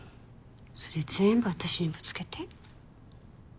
それ全部私にぶつけて。